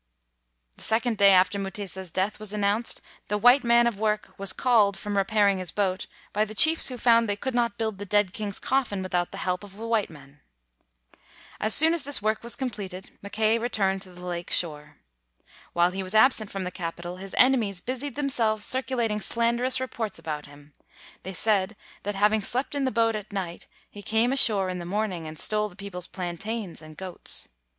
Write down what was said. The second day after Mutesa's death was announced, the "white man of work" was called from repairing his boat by the chiefs who found they could not build the dead king's coffin without the help of the white men. As soon as this work was completed, Mackay returned to the lake shore. While he was absent from the capital, his enemies busied themselves circulating slanderous re ports about him. They said that, having slept in the boat at night, he came ashore in the morning and stole the people 's plantains and goats.